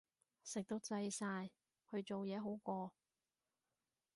食到滯晒，去做嘢好過